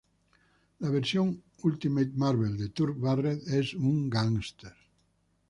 La versión Ultimate Marvel de Turk Barrett es un gángster.